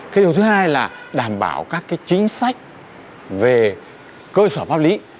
cái điều thứ hai là đảm bảo các cái chính sách về cơ sở pháp lý